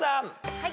はい。